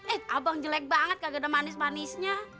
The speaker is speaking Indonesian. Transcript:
eh abang jelek banget kagak ada manis manisnya